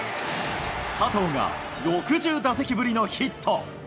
佐藤が、６０打席ぶりのヒット。